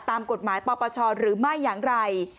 ตามกฎหมายปปชหรือไม่อย่างไร